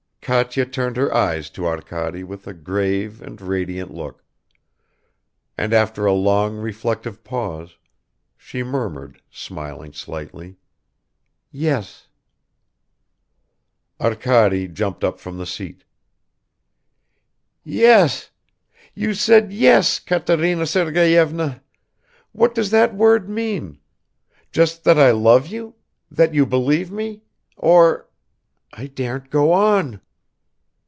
Katya turned her eyes to Arkady with a grave and radiant look, and after a long reflective pause, she murmured, smiling slightly, "Yes." Arkady jumped up from the seat. "Yes! You said 'yes,' Katerina Sergeyevna! What does that word mean? Just that I love you, that you believe me ... or ... I daren't go on